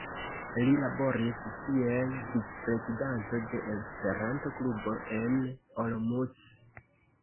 Li laboris kiel vicprezidanto de Esperanto-klubo en Olomouc.